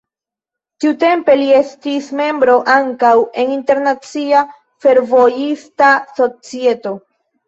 Tiutempe li estis membro ankaŭ en internacia fervojista societo.